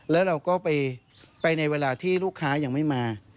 แล้วเราก็ไปในเวลาที่ลูกค้ายังไม่มา